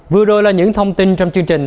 vừa rồi là những thông tin trong chương trình